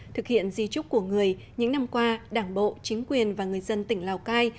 thực hiện di trúc của người những năm qua đảng bộ chính quyền và người dân tỉnh lào cai